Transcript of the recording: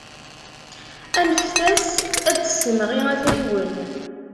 Anfet-as ad d-tessemɣi afriwen.